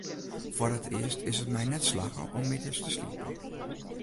Foar it earst is it my net slagge om middeis te sliepen.